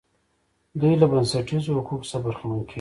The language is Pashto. دوی له بنسټیزو حقوقو څخه برخمن کیږي.